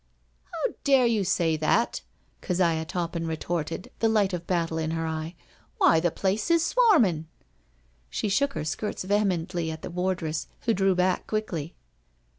How dare you say that?" Keziah Toppin retorted, the light of battle in her eye. Why, the place is swarming." She shook her skirts vehemently at the wardress, who drew back quickly.